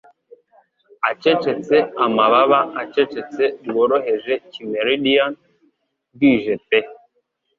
Acecetse amababa acecetse bworoheje Kimmerian bwije pe